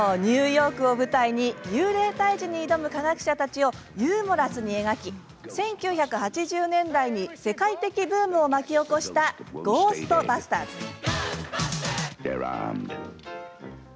ニューヨークを舞台に幽霊退治に挑む科学者たちをユーモラスに描き１９８０年代に世界的ブームを巻き起こした「ゴーストバスターズ」。